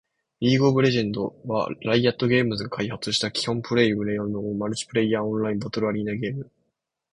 リーグ・オブ・レジェンド』（League of Legends、略称: LoL（ ロル））は、ライアットゲームズが開発した基本プレイ無料のマルチプレイヤーオンラインバトルアリーナゲーム